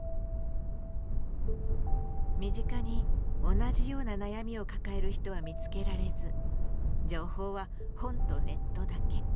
身近に同じような悩みを抱える人は見つけられず情報は本とネットだけ。